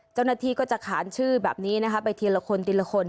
เจ้าหน้าที่ก็จะขานชื่อแบบนี้นะคะไปทีละคนทีละคน